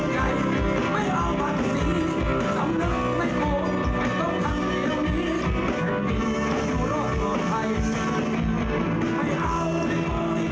เข้าฟะพี่ปูถึงที่แล้วค่ะ